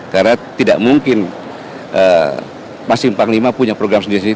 karena tidak mungkin masing masing panglima punya program sendiri sendiri